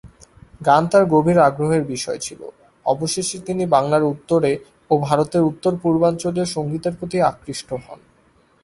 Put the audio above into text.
গান তার গভীর আগ্রহ বিষয় ছিল; অবশেষে তিনি বাংলার উত্তরে ও ভারতের উত্তর-পূর্বাঞ্চলীয় সঙ্গীতের প্রতি আকৃষ্ট হন।